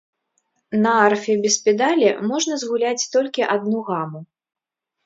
На арфе без педалі можна згуляць толькі адну гаму.